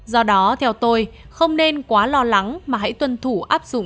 do đó theo tôi không nên quá lo lắng mà hãy tuân thủ áp dụng